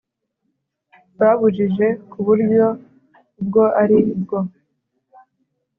Babujije ku buryo ubwo ari bwo